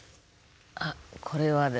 あっこれはですね